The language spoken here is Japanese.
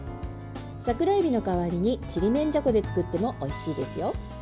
桜えびの代わりにちりめんじゃこで作ってもおいしいですよ。